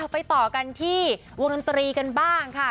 ไปต่อกันที่วงดนตรีกันบ้างค่ะ